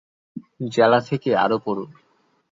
জেলা থেকে আরও পড়ুন